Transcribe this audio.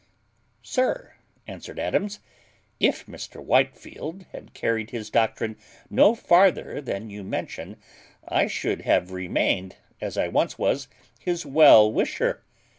"Sir," answered Adams, "if Mr Whitefield had carried his doctrine no farther than you mention, I should have remained, as I once was, his well wisher.